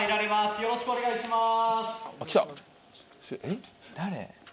よろしくお願いします。